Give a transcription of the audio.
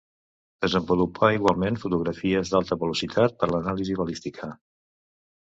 Desenvolupà igualment fotografies d'alta velocitat per l'anàlisi balística.